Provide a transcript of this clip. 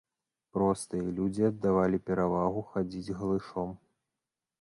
Простыя людзі аддавалі перавагу хадзіць галышом.